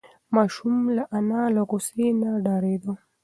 ماشوم د انا له غوسې نه ډارېده.